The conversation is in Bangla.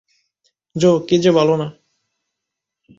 জো, কী যে বলো না।